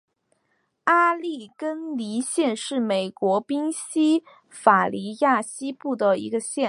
阿利根尼县是美国宾夕法尼亚州西部的一个县。